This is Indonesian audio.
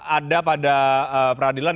ada pada peradilan